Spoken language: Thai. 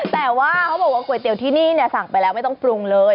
แต่ว่าเขาบอกว่าก๋วยเตี๋ยวที่นี่เนี่ยสั่งไปแล้วไม่ต้องปรุงเลย